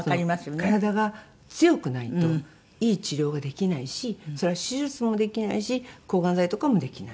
体が強くないといい治療ができないしそれは手術もできないし抗がん剤とかもできない。